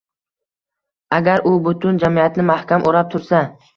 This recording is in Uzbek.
Agar u butun jamiyatni mahkam o‘rab tursa